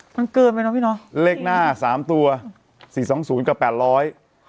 มันเกินไปเนอะพี่น้องเลขหน้าสามตัวสี่สองศูนย์กับแปดร้อย